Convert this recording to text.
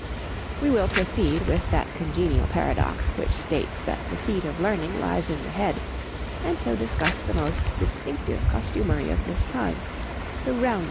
We will proceed with that congenial paradox which states that the seat of learning lies in the head, and so discuss the most distinctive costumery of this time, the roundlet.